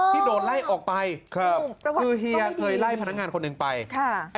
ที่โดนไล่ออกไปครับคือเฮียเคยไล่พนักงานคนหนึ่งไปค่ะ